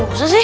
gak usah sih